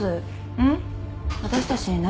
うん！？